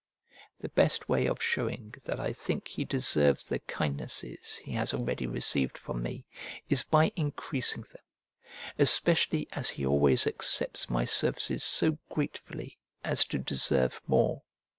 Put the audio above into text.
The best way of showing that I think he deserves the kindnesses he has already received from me is by increasing them, especially as he always accepts my services so gratefully as to deserve more.